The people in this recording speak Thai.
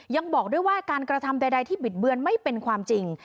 ยังบอกด้วยว่าการกระทำใดที่บิดเบือนไม่เป็นความจริง